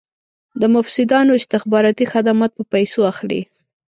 د مفسدانو استخباراتي خدمات په پیسو اخلي.